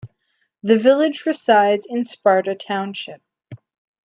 The village resides in Sparta Township.